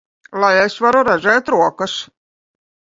Lai es varu redzēt rokas!